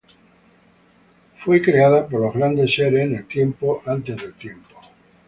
Fue creada por los grandes seres en el tiempo antes del tiempo.